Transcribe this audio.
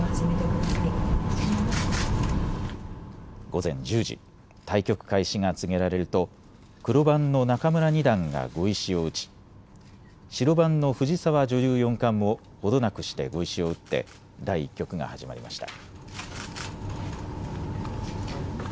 午前１０時、対局開始が告げられると黒番の仲邑二段が碁石を打ち、白番の藤沢女流四冠も程なくして碁石を打って第１局が始まりました。